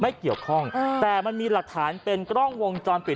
ไม่เกี่ยวข้องแต่มันมีหลักฐานเป็นกล้องวงจรปิด